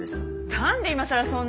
なんで今さらそんなの。